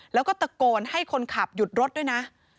แล้วก็ตะโกนให้คนขับหยุดรถด้วยนะ